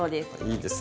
いいですね。